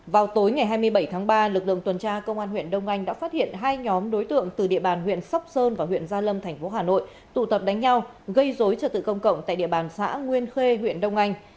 vào tối ngày hai mươi bảy tháng ba lực lượng tuần tra công an huyện đông anh đã phát hiện hai nhóm đối tượng từ địa bàn huyện sóc sơn và huyện gia lâm thành phố hà nội tụ tập đánh nhau gây dối trật tự công cộng tại địa bàn xã nguyên khê huyện đông anh